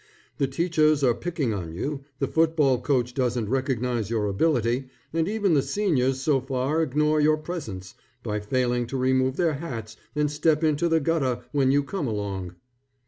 The teachers are picking on you, the football coach doesn't recognize your ability, and even the seniors so far ignore your presence, by failing to remove their hats and step into the gutter when you come along.